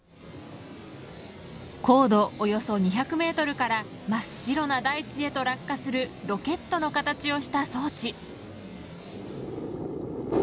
高度およそ２００メートルから真っ白な大地へと落下するロケットの形をした装置。